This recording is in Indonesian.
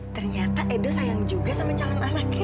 ternyata edo sayang juga sama jalan anaknya